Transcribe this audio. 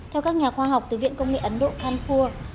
theo các nhà khoa học từ viện công nghệ ấn độ canpur